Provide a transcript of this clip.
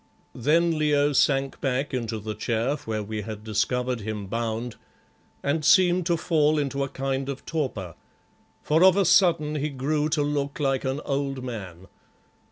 Then Leo sank back into the chair where we had discovered him bound, and seemed to fall into a kind of torpor, for of a sudden he grew to look like an old man.